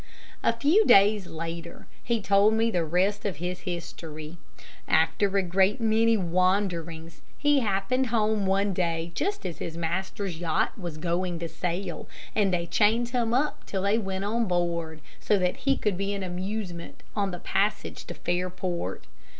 A few days later, he told me the rest of his history. After a great many wanderings, he happened home one day just as his master's yacht was going to sail, and they chained him up till they went on board, so that he could be an amusement on the passage to Fairport.